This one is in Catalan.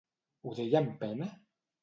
Ho deia amb pena?